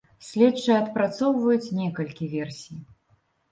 Следчыя адпрацоўваюць некалькі версій.